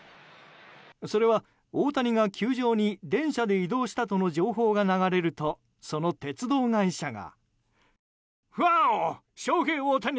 それは大谷が球場に電車で移動したとの情報が流れるとその鉄道会社が。